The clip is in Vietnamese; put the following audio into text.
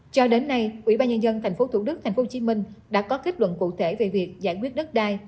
cho đến nay ủy ban nhân dân tp thủ đức tp hcm đã có kết luận cụ thể về việc giải quyết đất đai